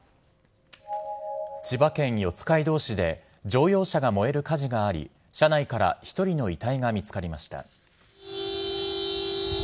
千葉県四街道市で、乗用車が燃える火事があり、車内から１人の遺体が見つかりました。